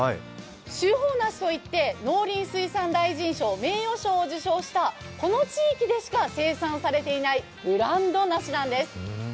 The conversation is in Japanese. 秋芳梨といって農林水産大臣賞名誉賞を受賞したこの地域でしか生産されていないブランド梨なんです。